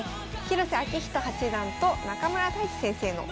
広瀬章人八段と中村太地先生の。